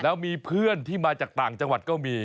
แล้วมีเพื่อนที่มาจากต่างจังหวัดก็มี